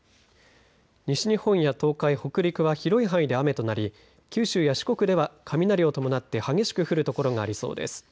西日本や東海、北陸は広い範囲で雨となり九州や四国では雷を伴って激しく降る所がありそうです。